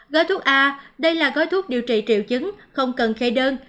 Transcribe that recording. gói thuốc a đây là gói thuốc điều trị triệu chứng không cần khe đơn